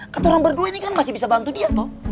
keturang berdua ini kan masih bisa bantu dia toh